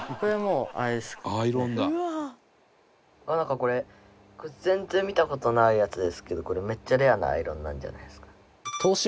うわっなんかこれ全然見た事ないやつですけどこれめっちゃレアなアイロンなんじゃないですか？